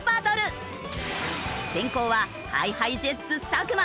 先攻はＨｉＨｉＪｅｔｓ作間。